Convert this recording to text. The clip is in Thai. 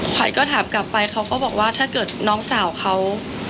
ขวัญก็ถามกลับไปเขาก็บอกว่าถ้าเกิดน้องสาวเขา